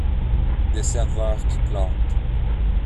Des serveurs qui plantent.